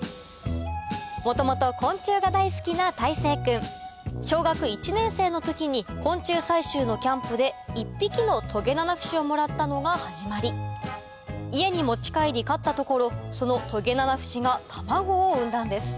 元々昆虫が大好きな泰成君小学１年生の時に昆虫採集のキャンプで１匹のトゲナナフシをもらったのが始まり家に持ち帰り飼ったところそのトゲナナフシが卵を産んだんです